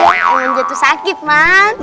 enggak jatuh sakit mak